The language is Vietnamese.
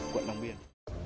quận long biên